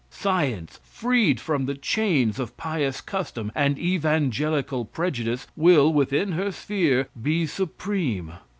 Science, freed from the chains of pious custom and evangelical prejudice, will, within her sphere, be supreme.